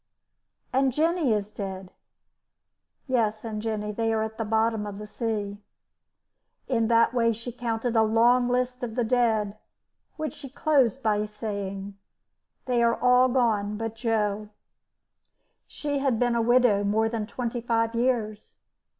"And Jenny is dead." "Yes, and Jenny. They are at the bottom of the sea." In that way she counted a long list of the dead, which she closed by saying: "They are all gone but Joe." She had been a widow more than twenty five years.